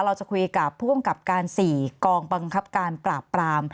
เราจะคุยกับผู้กำกับการ๔กองบังคับการปราบปราม